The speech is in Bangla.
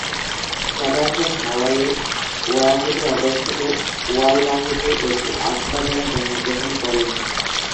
প্যাটারসন হাওয়াইয়ের ওয়াহুতে অবস্থিত ওয়াইপাহুতে একটি আখ বাগানে জন্মগ্রহণ করেন।